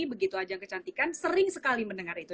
begitu ajang kecantikan sering sekali mendengar itu